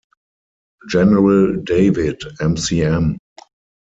General David McM.